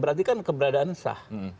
berarti kan keberadaan sah